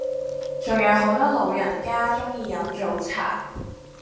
仲有好多老人家鐘意飲早茶